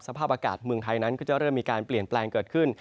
สภาพอากาศเมืองไทยนั้นก็จะเริ่มมีการเปลี่ยนแปลงเกิดขึ้น